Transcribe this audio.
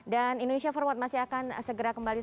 dan indonesia forward masih akan segera kembali